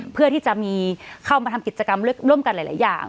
เพื่อที่จะมีเข้ามาทำกิจกรรมร่วมกันหลายอย่าง